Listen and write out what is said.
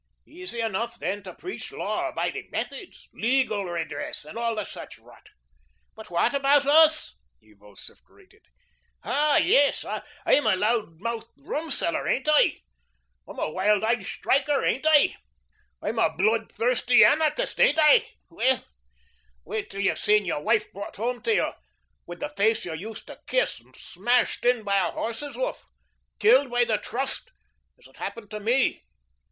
Easy enough then to preach law abiding methods, legal redress, and all such rot. But how about US?" he vociferated. "Ah, yes, I'm a loud mouthed rum seller, ain't I? I'm a wild eyed striker, ain't I? I'm a blood thirsty anarchist, ain't I? Wait till you've seen your wife brought home to you with the face you used to kiss smashed in by a horse's hoof killed by the Trust, as it happened to me.